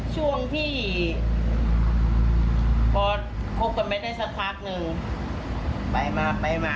ช่วงที่พอคบกันไม่ได้สักพักนึงไปมาไปมา